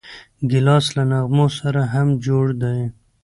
ګیلاس له نغمو سره هم جوړ دی.